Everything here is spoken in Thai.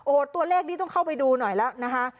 โอ้โหตัวเลขนี้ต้องเข้าไปดูหน่อยแล้วนะคะ